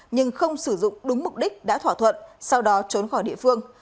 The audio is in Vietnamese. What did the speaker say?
nhưng không sử dụng đúng mục đích đã thỏa thuận sau đó trốn khỏi địa phương